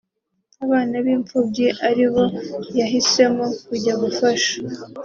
abana b’imfubyi aribo yahisemo kujya gufasha